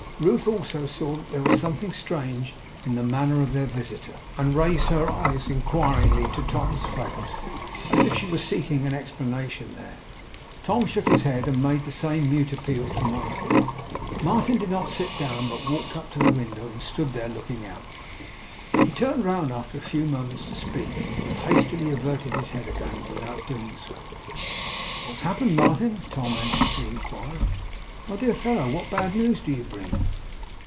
Ruth also saw that there was something strange in the manner of their visitor, and raised her eyes inquiringly to Tom's face, as if she were seeking an explanation there. Tom shook his head, and made the same mute appeal to Martin. Martin did not sit down but walked up to the window, and stood there looking out. He turned round after a few moments to speak, but hastily averted his head again, without doing so. 'What has happened, Martin?' Tom anxiously inquired. 'My dear fellow, what bad news do you bring?